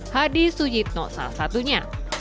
hadi sujitno salah satunya